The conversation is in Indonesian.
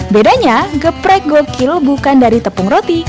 bedanya geprek gokil bukan dari tepung roti